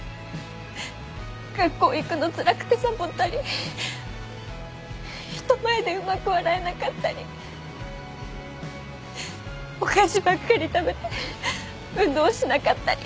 学校行くのつらくてサボったり人前でうまく笑えなかったりお菓子ばっかり食べて運動しなかったり。